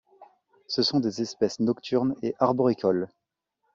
Ce sont des espèces nocturnes et arboricoles.